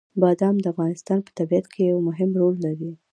بادام د افغانستان په طبیعت کې یو مهم رول لري.